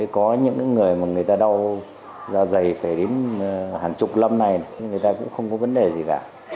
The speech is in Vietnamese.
có những người mà người ta đau da dày phải đến hàng chục năm nay người ta cũng không có vấn đề gì cả